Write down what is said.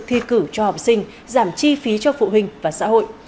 thi cử cho học sinh giảm chi phí cho phụ huynh và xã hội